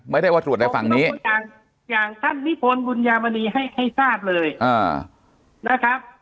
ไม่ได้ว่าตรวจในฝั่งนี้อย่างท่านนิพนธ์บุญญามณีให้ทราบเลยนะครับ